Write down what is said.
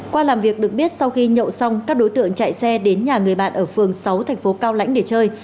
qua làm việc được biết sau khi nhậu xong các đối tượng chạy xe đến nhà người bạn ở phường sáu thành phố cao lãnh để chơi